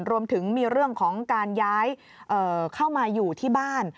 รวมถึงมีเรื่องของการย้ายเข้ามาอยู่ที่บ้าน